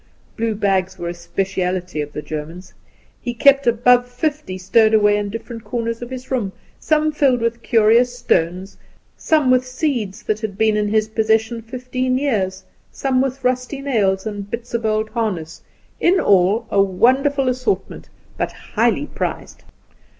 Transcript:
Blue bags were a speciality of the German's. He kept above fifty stowed away in different corners of his room some filled with curious stones, some with seeds that had been in his possession fifteen years, some with rusty nails, buckles, and bits of old harness in all, a wonderful assortment, but highly prized.